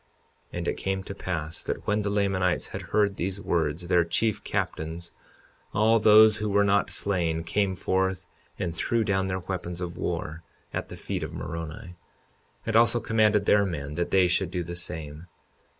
52:38 And it came to pass that when the Lamanites had heard these words, their chief captains, all those who were not slain, came forth and threw down their weapons of war at the feet of Moroni, and also commanded their men that they should do the same.